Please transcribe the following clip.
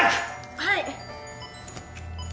はい！